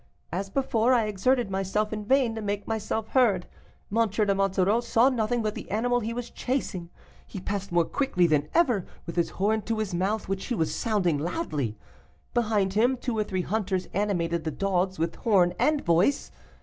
"As before, I exerted myself in vain to make myself heard. M. de Monsoreau saw nothing but the animal he was chasing; he passed more quickly that ever, with his horn to his mouth, which he was sounding loudly. Behind him two or three hunters animated the dogs with horn and voice.